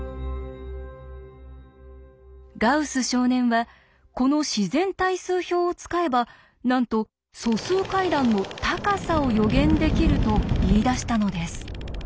ガウス少年はこの自然対数表を使えばなんと素数階段の「高さ」を予言できると言いだしたのです。